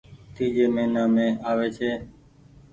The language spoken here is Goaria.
تيجي مهينا مينٚ آوي ڇي